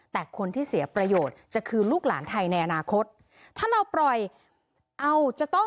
แต่คนที่เสียประโยชน์จะคือลูกหลานไทยในอนาคต